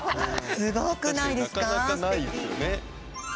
すごくないですかすてき。